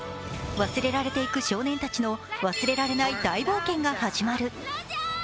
忘れられていく少年たちの忘れられない大冒険が始まる。